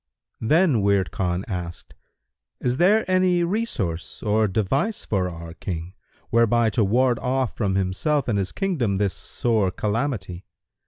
Then Wird Khan asked, "Is there any resource or device for our King, whereby to ward off from himself and his kingdom this sore calamity?"